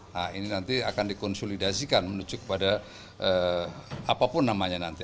nah ini nanti akan dikonsolidasikan menuju kepada apapun namanya nanti